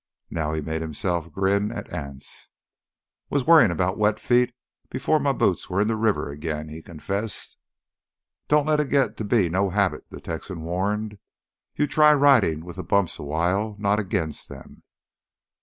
Now he made himself grin at Anse. "Was worryin' about wet feet before my boots were in the river again," he confessed. "Don't let it git to be no habit," the Texan warned. "You try ridin' with th' bumps awhile, not agin them!"